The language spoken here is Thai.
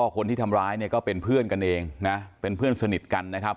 คนที่ทำร้ายเนี่ยก็เป็นเพื่อนกันเองนะเป็นเพื่อนสนิทกันนะครับ